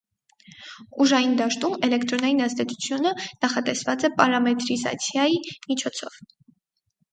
Ուժային դաշտում էլեկտրոնային ազդեցությունը նախատեսված է պարամետրիզացիաի միջոցով։